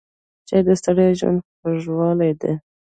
چای د ستړي ژوند خوږوالی دی.